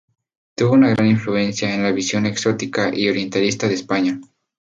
Tuvo una gran influencia en la visión exótica y orientalista de España.